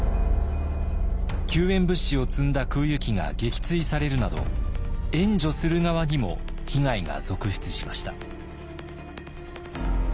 救援物資を積んだ空輸機が撃墜されるなど援助する側にも被害が続出しました。